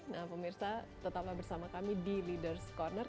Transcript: nah pemirsa tetaplah bersama kami di leaders' corner